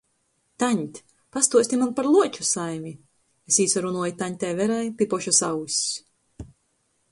"Taņt, pastuosti maņ par Luoču saimi!" es īsarunoju taņtei Verai pi pošys auss.